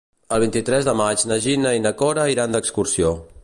El vint-i-tres de maig na Gina i na Cora iran d'excursió.